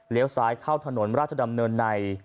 เดี๋ยวซ้ายเข้าถนนราชดำเนินใน